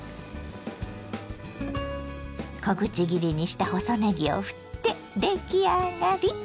小口切りにした細ねぎをふって出来上がり。